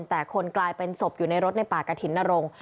แต่คนกลายเป็นศพอยู่ในรถในป่ากระถิ่นนรงค์